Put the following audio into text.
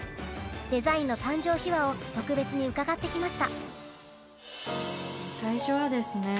デザインの誕生秘話を特別に伺ってきました。